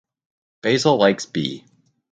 Basil likes Bee.